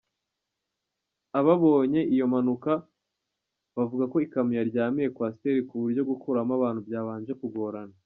Ababonye iyo mpanuka bavuga ko ikamyo yaryamiye Coaster ku buryo gukuramo abantu byabanje kugorana.